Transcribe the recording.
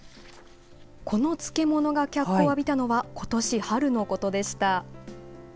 この漬物が脚光を浴びたのはことし春のことでした。